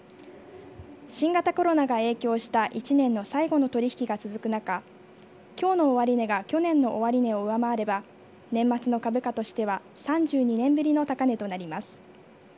新型コロナが影響した１年の最後の取引が続く中今日の終値が去年の終値を上回れば年末の株価としては３２年ぶりの高値となります。